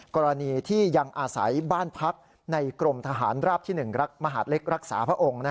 กรณีที่ยังอาศัยบ้านพักในกรมทหารราบที่๑มหาดเล็กรักษาพระองค์